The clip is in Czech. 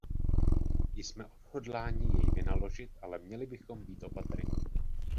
Jsme odhodláni jej vynaložit, ale měli bychom být opatrní.